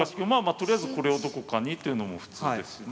とりあえずこれをどこかにというのも普通ですしね。